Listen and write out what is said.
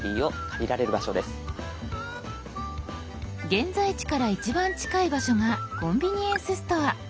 現在地から一番近い場所がコンビニエンスストア。